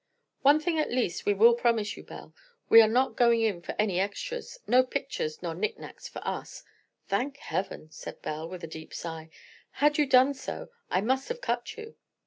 "One thing, at least, we will promise you, Belle—we are not going in for any extras—no pictures nor knick knacks for us." "Thank Heaven!" said Belle, with a deep sigh. "Had you done so, I must have cut you."